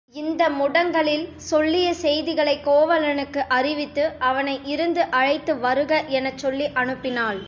இந்த முடங்கலில் சொல்லிய செய்திகளைக் கோவலனுக்கு அறிவித்து அவனை இருந்து அழைத்து வருக எனச் சொல்லி அனுப்பினாள்.